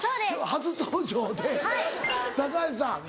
初登場で高橋さん。